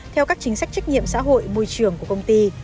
theo các chính sách trách nhiệm xã hội môi trường của công ty